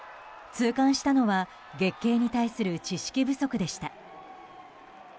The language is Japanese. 痛感したのは月経に対する知識不足でした。